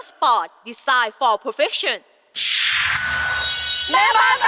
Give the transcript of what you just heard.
สวัสดีค่ะ